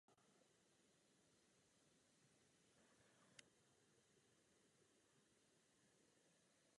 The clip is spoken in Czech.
Nejvýznamnější z nich byla smlouva o uzavření míru mezi Francií a Nizozemskem.